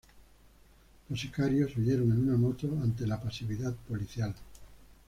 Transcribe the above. Los sicarios huyeron en una moto ante la pasividad policial.